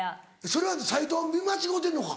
それはサイトを見間違うてんのか？